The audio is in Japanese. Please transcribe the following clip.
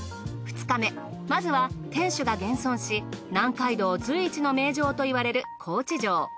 ２日目まずは天守が現存し南海道随一の名城と言われる高知城。